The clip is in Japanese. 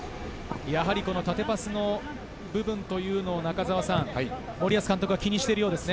縦パスの部分というのを森保監督は気にしているようですね。